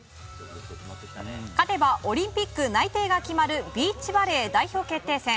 勝てばオリンピック内定が決まるビーチバレー代表決定戦。